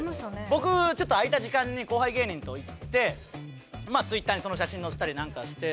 僕ちょっと空いた時間に後輩芸人と行ってまあＴｗｉｔｔｅｒにその写真載せたりなんかして。